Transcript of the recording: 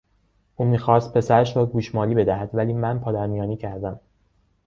او میخواست پسرش را گوشمالی بدهد ولی من پا در میانی کردم.